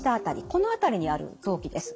この辺りにある臓器です。